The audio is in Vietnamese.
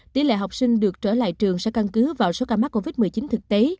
tỷ lệ học sinh được trở lại trường sẽ căn cứ vào số ca mắc covid một mươi chín thực tế